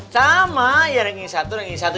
sama ya ranking satu ranking satu